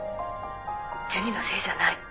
ジュニのせいじゃない。